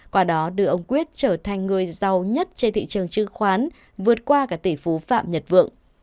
qua đó đưa ông quyết trở thành người giàu nhất trên thị trường chứng khoán vượt qua cả tỷ phú phạm nhật vượng